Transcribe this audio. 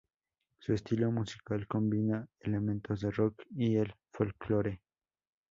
Su estilo musical combina elementos del rock y el folklore.